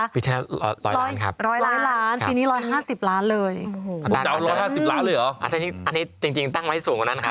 ปีนี้ปีที่แล้วเท่าไหร่คะ